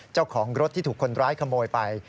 เจ้าของรถที่ถูกคนร้ายขโมยไป